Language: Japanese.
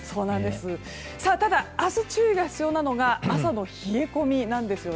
ただ、明日注意が必要なのが朝の冷え込みです。